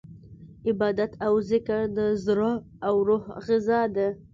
عبادت او ذکر د زړه او روح غذا ده.